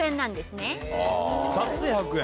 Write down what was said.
２つで１００円。